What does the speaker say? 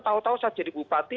tahu tahu saya jadi bupati